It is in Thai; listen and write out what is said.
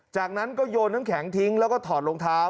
จากนั้นก็โยนน้ำแข็งทิ้งแล้วก็ถอดรองเท้า